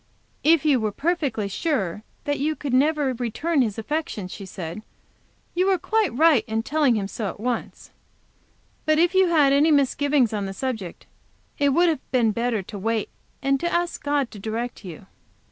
"If you were perfectly sure that you could never return his affection," she said, "you were quite right in telling him so at once; But if you had any misgivings on the subject, it would have been better to wait, and to ask God to direct you."